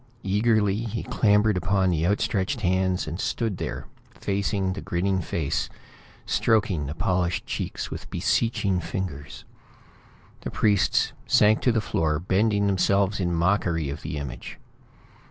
Eagerly, he clambered upon the outstretched hands, and stood there facing the grinning face, stroking the polished cheeks with beseeching fingers. The priests sank to the floor, bending themselves in mockery of the image.